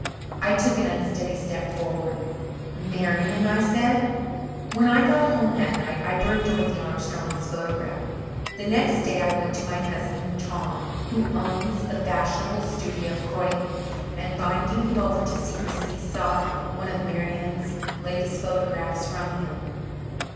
I took an unsteady step forward. "Marian?" I said. When I got home that night I burned Dorothy Armstrong's photograph. The next day I went to my cousin Tom, who owns the fashionable studio of Croyden and, binding him over to secrecy, sought one of Marian's latest photographs from him.